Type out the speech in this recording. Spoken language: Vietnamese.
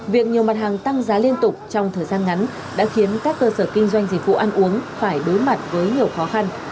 việc nhiều mặt hàng tăng giá liên tục trong thời gian ngắn đã khiến các cơ sở kinh doanh dịch vụ ăn uống phải đối mặt với nhiều khó khăn